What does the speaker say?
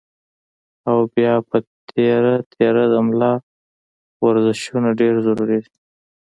او بيا پۀ تېره تېره د ملا ورزشونه ډېر ضروري دي